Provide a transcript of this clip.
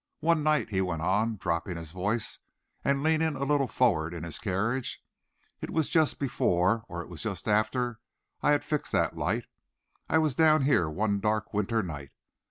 One night," he went on, dropping his voice and leaning a little forward in his carriage "it was just before, or was it just after I had fixed that light I was down here one dark winter night.